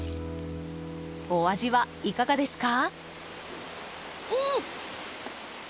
お味は、いかがですか？